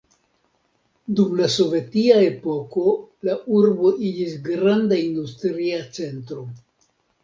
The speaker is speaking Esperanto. Dum la Sovetia epoko la urbo iĝis granda industria centro.